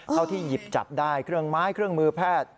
ที่หยิบจับได้เครื่องไม้เครื่องมือแพทย์